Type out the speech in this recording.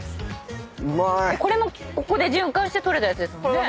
これもここで循環して採れたやつですもんね。